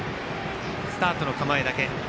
スタートの構えだけ。